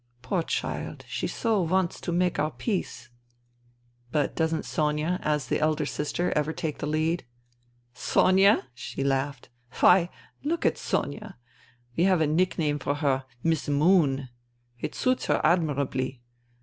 Poor child, she so wants to make our peace." " But doesn't Sonia, as the eldest sister, ever take the lead ?"" Sonia ?" She laughed. " Why, look at Sonia. We have a nickname for her —' Miss Moon.' It suits her admirably.